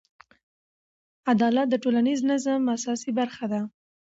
عدالت د ټولنیز نظم اساسي برخه ده.